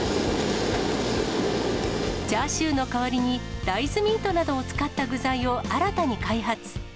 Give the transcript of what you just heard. チャーシューの代わりに、大豆ミートなどを使った具材を新たに開発。